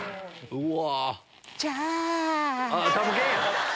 うわ。